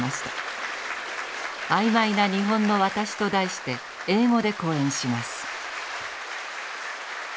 「あいまいな日本の私」と題して英語で講演します。